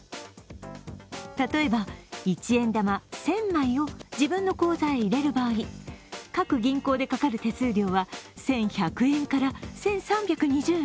例えば、一円玉１０００枚を自分の口座へ入れる場合、各銀行でかかる手数料は１１００円から１３２０円。